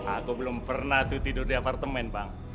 aku belum pernah tuh tidur di apartemen bang